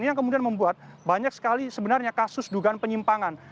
ini yang kemudian membuat banyak sekali sebenarnya kasus dugaan penyimpangan